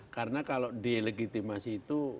karena kalau delegitimasi itu